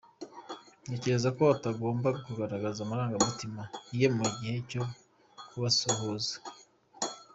Ntekereza ko atagombaga kugaragaza amarangamutima ye mu gihe cyo kubasuhuza.